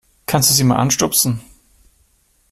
Kannst du sie mal anstupsen?